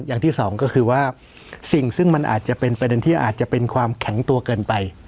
อย่างที่สองก็คือว่าสิ่งซึ่งมันอาจจะเป็นประเด็นที่อาจจะเป็นความแข็งตัวเกินไป